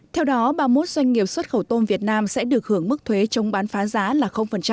theo đó ba mươi một doanh nghiệp xuất khẩu tôm việt nam sẽ được hưởng mức thuế chống bán phá giá là